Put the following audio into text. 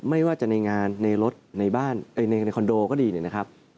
ไม่ว่าจะในงานในรถในบ้านในคอนโดก็ดีเนี่ยนะครับ